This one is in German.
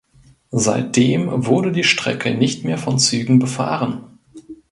Seitdem wurde die Strecke nicht mehr von Zügen befahren.